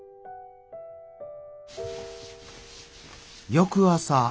翌朝。